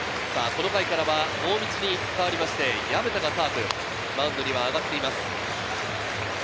この回からは大道に代わりまして薮田がカープ、マウンドには上がっています。